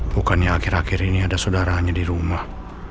bukannya akhir akhir ini ada saudaranya di rumah